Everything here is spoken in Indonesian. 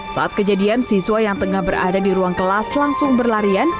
saat kejadian siswa yang tengah berada di ruang kelas langsung berlarian